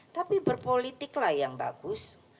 tapi berpolitik lah yang bagus